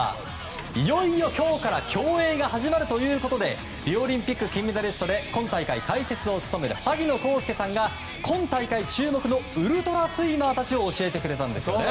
いよいよ今日から競泳が始まるということでリオオリンピック金メダリストで今大会、解説を務める萩野公介さんが今大会注目のウルトラスイマーたちを教えてくれたんですよね！